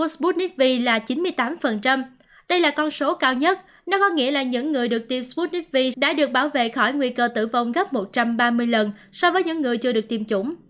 sputnik v là chín mươi tám đây là con số cao nhất nó có nghĩa là những người được tiêm sputnik v đã được bảo vệ khỏi nguy cơ tử vong gấp một trăm ba mươi lần so với những người chưa được tiêm chủng